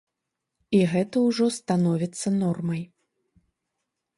І гэта ўжо становіцца нормай.